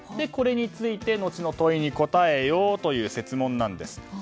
これについて後の問いに答えよという設問なんです。